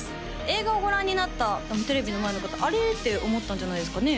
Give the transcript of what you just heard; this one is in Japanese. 映画をご覧になったテレビの前の方あれ？って思ったんじゃないですかね